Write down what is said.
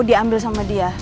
diambil sama dia